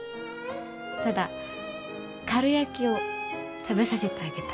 ただかるやきを食べさせてあげたい。